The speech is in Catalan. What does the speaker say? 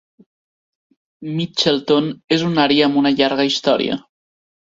Mitchelton és una àrea amb una llarga història.